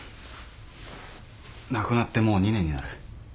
亡くなってもう２年になる。